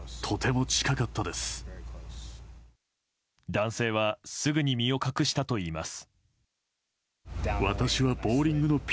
男性はすぐに身を隠したといいます。